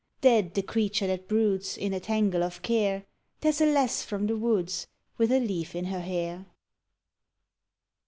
Dead the creature that broods In a tangle of care; There's a lass from the woods With a leaf in her hair.